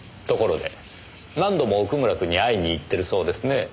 ところで何度も奥村くんに会いに行ってるそうですね。